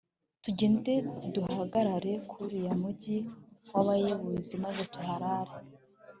tugende duhagarare kuri uriya mugi w'abayebuzi, maze tuharare